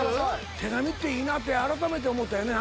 手紙っていいなってあらためて思うたよね